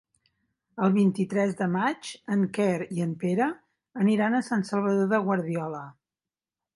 El vint-i-tres de maig en Quer i en Pere aniran a Sant Salvador de Guardiola.